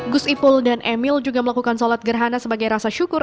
gus ipul dan emil juga melakukan sholat gerhana sebagai rasa syukur